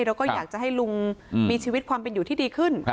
เราก็อยากจะให้ลุงมีชีวิตความเป็นอยู่ที่ดีขึ้น